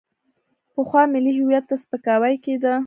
پخوا ملي هویت ته سپکاوی کېده.